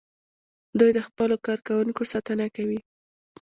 دوی د خپلو کارکوونکو ساتنه کوي.